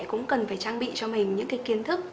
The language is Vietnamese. cũng cần phải trang bị cho mình những cái kiến thức